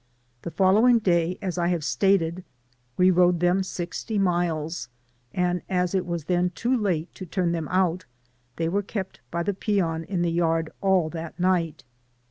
The following day, as I have stated, we rode them sixty miles, and as it was then too late to turn them out, they were kept by the peon in the yard all that night.